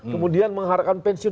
kemudian mengharapkan pensiun